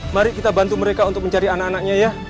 mari kita bantu mereka untuk mencari anak anaknya ya